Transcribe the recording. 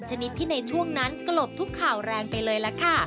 ชนิดที่ในช่วงนั้นกลบทุกข่าวแรงไปเลยล่ะค่ะ